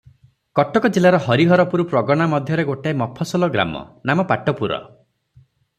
କଟକ ଜିଲାର ହରିହରପୁର ପ୍ରଗନା ମଧ୍ୟରେ ଗୋଟିଏ ମଫସଲ ଗ୍ରାମ, ନାମ ପାଟପୁର ।